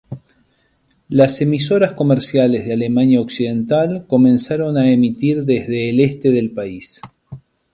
Las emisoras comerciales de Alemania Occidental comenzaron a emitir desde el Este del país.